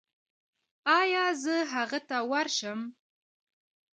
ایا زه هغه ته ورشم؟